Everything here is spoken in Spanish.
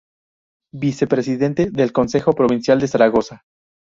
Vicepresidente del Consejo Provincial de Zaragoza.